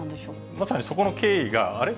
まさにそこの経緯が、あれ？